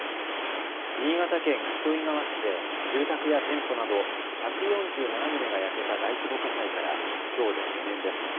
新潟県糸魚川市で住宅や店舗など１４７棟が焼けた大規模火災からきょうで５年です。